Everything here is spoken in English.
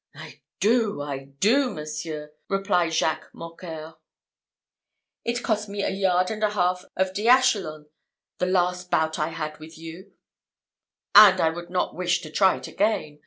"I do! I do! monseigneur," replied Jacques Mocqueur: "it cost me a yard and a half of diachylon, the last bout I had with you; and I would not wish to try it again.